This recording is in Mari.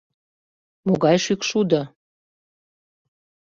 Могай шӱкшудо?